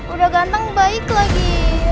udah ganteng baik lagi